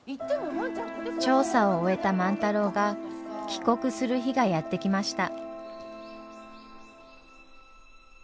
調査を終えた万太郎が帰国する日がやって来ました。